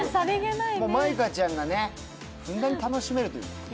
舞香ちゃんがふんだんに楽しめるというね。